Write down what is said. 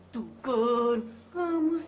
tuh kan kamu sih